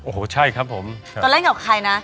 โอ้โหใช่ครับผมจะเล่นกับใครนะ